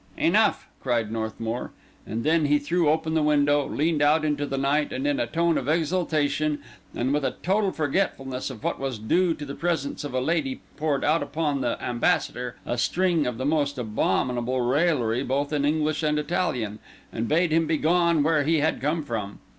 "Enough," cried Northmour; and then he threw open the window, leaned out into the night, and in a tone of exultation, and with a total forgetfulness of what was due to the presence of a lady, poured out upon the ambassador a string of the most abominable raillery both in English and Italian, and bade him be gone where he had come from.